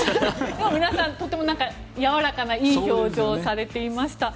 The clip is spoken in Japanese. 皆さん、やわらかないい表情をされていました。